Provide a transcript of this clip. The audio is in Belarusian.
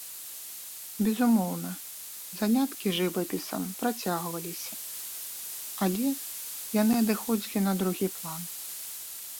Безумоўна, заняткі жывапісам працягваліся, але яны адыходзілі на другі план.